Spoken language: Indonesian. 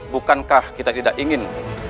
bukankah kita tidak ingin